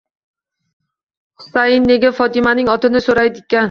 Husayin nega Fotimaning otini so'radiykan?